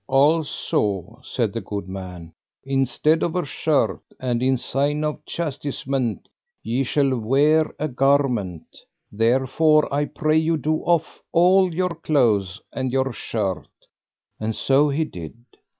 Also, said the good man, instead of a shirt, and in sign of chastisement, ye shall wear a garment; therefore I pray you do off all your clothes and your shirt: and so he did.